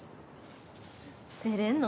出れるの？